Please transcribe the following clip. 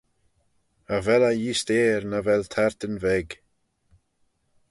Cha vel eh yeesteyr nagh vel tayrtyn veg.